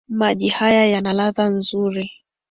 Maji haya yana ladha mzuri.